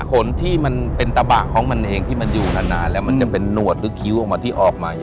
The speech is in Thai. ขนที่มันเป็นตะบะของมันเองที่มันอยู่นานแล้วมันจะเป็นหนวดหรือคิ้วออกมาที่ออกมาอยู่